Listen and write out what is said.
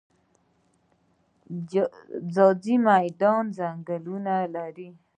جاجي میدان ځنګلونه لري؟